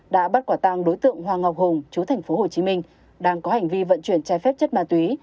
đã bắt quả tàng đối tượng hoàng ngọc hùng chú thành phố hồ chí minh đang có hành vi vận chuyển che phép chất ma túy